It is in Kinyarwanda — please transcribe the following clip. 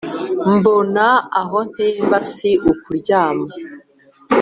mbona aho ntemba si ukuryama.